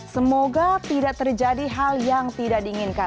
semoga tidak terjadi hal yang tidak diinginkan